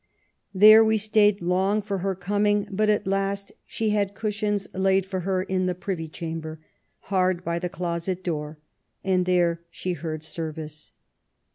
There we stayed long for her coming ; but, at last, she had cushions laid for her in the Privy Chamber, hard by the closet door, and there she heard service.